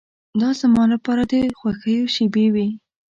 دا زما لپاره د خوښیو شېبې وې.